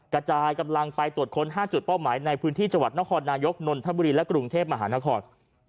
กระจายกำลังไปตรวจค้น๕จุดเป้าหมายในพื้นที่จังหวัดนครนายกนนทบุรีและกรุงเทพมหานคร